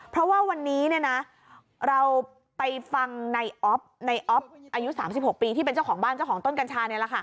เพราะว่าวันนี้เนี่ยนะเราไปฟังในออฟในออฟอายุสามสิบหกปีที่เป็นเจ้าของบ้านเจ้าของต้นกัญชาเนี่ยแหละค่ะ